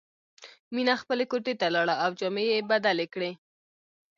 مینه خپلې کوټې ته لاړه او جامې یې بدلې کړې